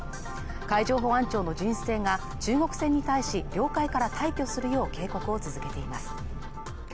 海上保安庁の巡視船が中国船に対し領海から退去するよう警告を続けています